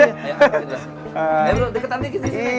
ayo bro deketan dikit